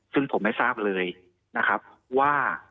ซึ่งผมไม่ทราบเลยนะครับว่า